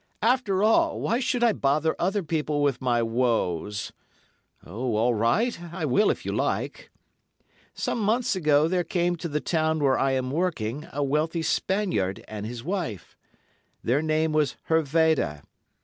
'After all, why should I bother other people with my woes. Oh, all right, I will if you like. "'Some months ago there came to the town where I am working a wealthy Spaniard and his wife. Their name was Hervada.